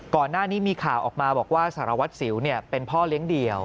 ก่อนหน้านี้มีข่าวออกมาบอกว่าสารวัตรสิวเป็นพ่อเลี้ยงเดี่ยว